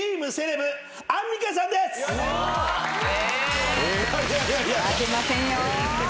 負けませんよ！